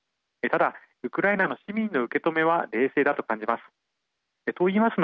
ただ、ウクライナの市民の受け止めは冷静だと感じます。